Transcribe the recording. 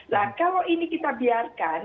nah kalau ini kita biarkan